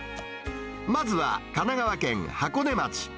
まずは神奈川県箱根町。